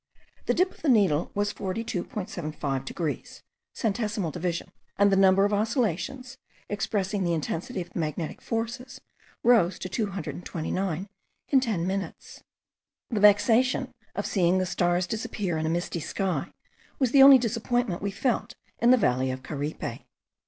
The dip of the needle was 42.75 degrees, centesimal division, and the number of oscillations, expressing the intensity of the magnetic forces, rose to 229 in ten minutes. The vexation of seeing the stars disappear in a misty sky was the only disappointment we felt in the valley of Caripe.